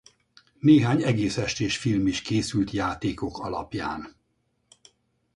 Néhány egész estés film is készült játékok alapján.